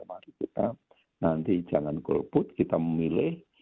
mari kita nanti jangan golput kita memilih